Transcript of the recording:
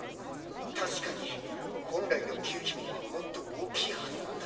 確かに本来のギュウキモンはもっと大きいはずなんだけど。